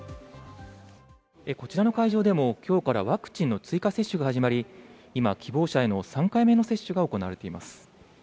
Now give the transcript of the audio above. こちらの会場でも、今日からワクチンの追加接種が始まり、今、希望者への３回目の接種が行われています。